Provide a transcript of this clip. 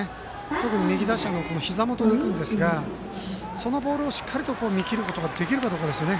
特に右打者のひざ元にいくんですがそのボールをしっかりと見切ることができるかですね